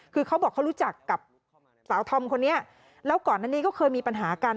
คือเขาบอกเขารู้จักกับสาวธอมคนนี้แล้วก่อนอันนี้ก็เคยมีปัญหากัน